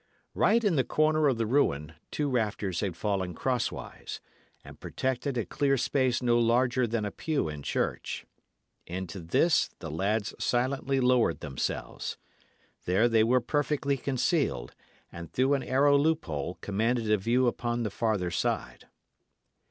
Right in the corner of the ruin, two rafters had fallen crosswise, and protected a clear space no larger than a pew in church. Into this the lads silently lowered themselves. There they were perfectly concealed, and through an arrow loophole commanded a view upon the farther side.